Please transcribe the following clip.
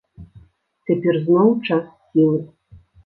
Цяпер зноў час сілы.